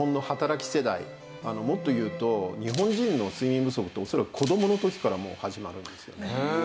世代もっと言うと日本人の睡眠不足って恐らく子どもの時からもう始まるんですよ。